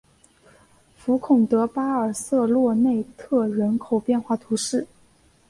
福孔德巴尔瑟洛内特人口变化图示